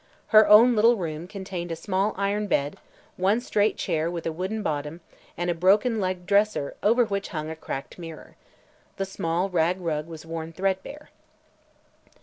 Her own little room contained a small iron bed, one straight chair with a wooden bottom and a broken legged dresser over which hung a cracked mirror. The small rag rug was worn threadbare.